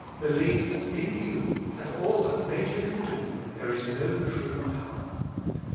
Believe that in you, and all that nature can do, there is no true power.